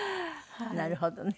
なるほどね。